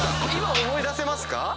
今思い出せますか？